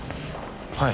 はい。